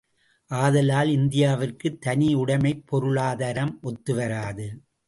ஆதலால், இந்தியாவிற்குத் தனியுடைமைப் பொருளாதாரம் ஒத்துவராது.